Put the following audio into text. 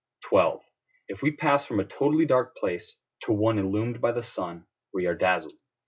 12. If we pass from a totally dark place to one illumined by the sun, we are dazzled.